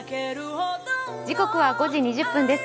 時刻は５時２０分です。